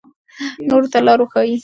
نورو ته لار وښایئ.